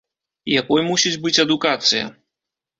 Якой мусіць быць адукацыя?